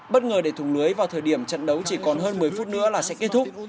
bất ngờ để thùng lưới vào thời điểm trận đấu chỉ còn hơn một mươi phút nữa là sẽ kết thúc